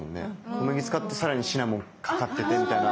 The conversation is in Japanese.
小麦使ってさらにシナモンかかっててみたいな。